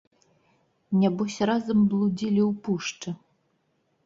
Нябось разам блудзілі ў пушчы!